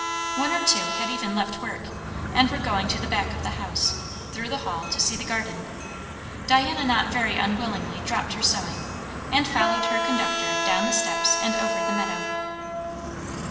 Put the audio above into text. One or two had even left work, and were going to the back of the house, through the hall, to see the garden. Diana not very unwillingly dropped her sewing, and followed her conductor down the steps and over the meadow.